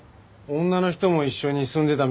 女の人も一緒に住んでたみたい。